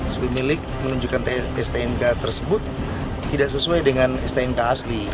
sepemilik menunjukkan stnk tersebut tidak sesuai dengan stnk asli